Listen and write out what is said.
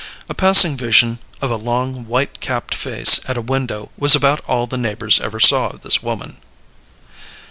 A passing vision of a long white capped face at a window was about all the neighbors ever saw of this woman.